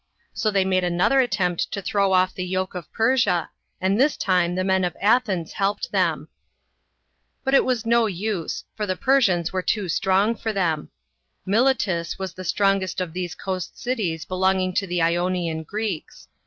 So they made another attempt to throw off the yoke of Persia, and this time the men of Athens helped th6m. But it was no use, for the Persians were too strong for them. Miletus was the strongest of these coast cities belonging to the Ionian Greeks.